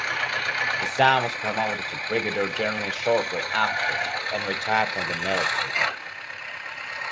Isam was promoted to brigadier general shortly after and retired from the military.